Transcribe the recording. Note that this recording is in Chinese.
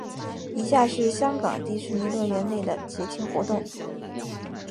以下是香港迪士尼乐园内的节庆活动。